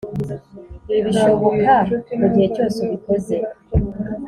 ibi bishoboka mu gihe cyose ubikoze